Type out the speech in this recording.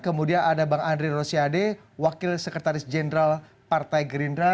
kemudian ada bang andri rosiade wakil sekretaris jenderal partai gerindra